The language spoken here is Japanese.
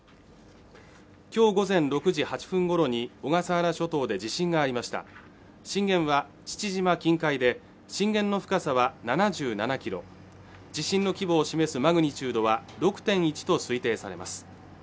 今日午前６時８分ごろに小笠原諸島で地震がありました震源は父島近海で震源の深さは７７キロ地震の規模を示すマグニチュードは６．１と推定されます